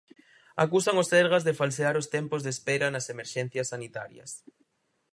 Acusan o Sergas de "falsear" os tempos de espera nas emerxencias sanitarias.